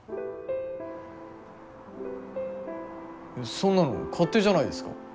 そんなの勝手じゃないですか。